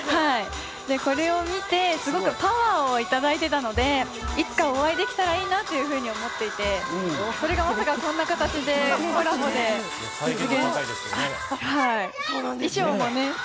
これを見て、すごくパワーをいただいていたので、いつかお会いできたらいいなっと思っていて、まさかこんな形でコラボで実現。